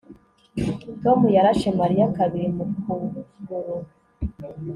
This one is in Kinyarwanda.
Tom yarashe Mariya kabiri mu kuguru